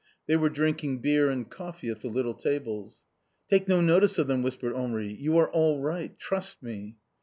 They were drinking beer and coffee at the little tables. "Take no notice of them!" whispered Henri. "You are all right! Trust me!"